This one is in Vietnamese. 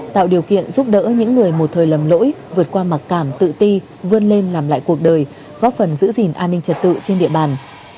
tạo điều kiện giúp đỡ những người một thời lầm lỗi vượt qua mặc cảm tự ti vươn lên làm lại cuộc đời góp phần giữ gìn an ninh trật tự trên địa bàn